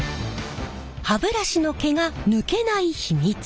歯ブラシの毛が抜けない秘密。